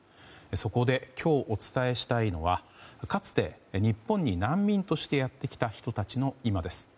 そこで今日お伝えしたいのはかつて日本に難民としてやってきた人たちの今です。